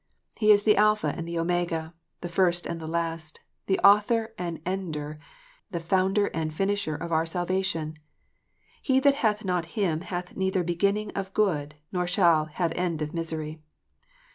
He is the Alpha and Oinn/a, the first and the last, the author and ender, the founder and finisher of our salvation. He that hath not Him hath neither beginning of good nor shall have end of misery.